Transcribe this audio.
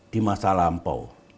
di masa lampau